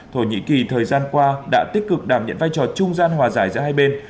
thổ nhĩ kỳ thời gian qua đã tích cực đảm nhận vai trò trung gian hòa giải giữa hai bên